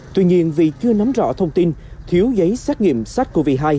tuy nhiên vì chưa nắm rõ thông tin thiếu giấy xét nghiệm sars cov hai